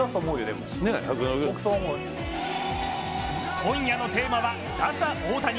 今夜のテーマは打者・大谷。